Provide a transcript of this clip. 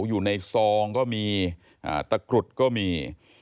อยู่ในซองก็มีตะกรุดก็มี